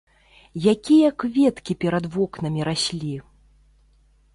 Якія кветкі перад вокнамі раслі!